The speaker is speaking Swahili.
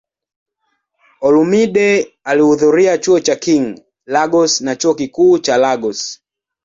Olumide alihudhuria Chuo cha King, Lagos na Chuo Kikuu cha Lagos.